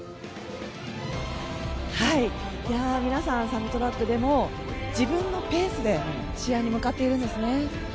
皆さん、サブトラックでも自分のペースで試合に向かっているんですね。